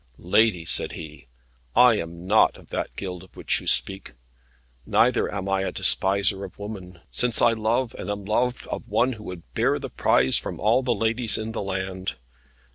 "Lady," said he, "I am not of that guild of which you speak. Neither am I a despiser of woman, since I love, and am loved, of one who would bear the prize from all the ladies in the land.